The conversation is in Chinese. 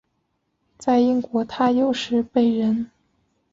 在英国他有时被人。